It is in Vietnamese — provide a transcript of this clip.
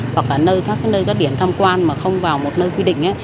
hoặc là nơi các điểm thăm quan mà không vào một nơi quy định